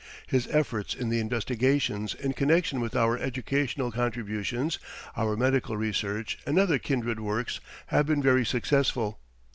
His efforts in the investigations in connection with our educational contributions, our medical research, and other kindred works have been very successful.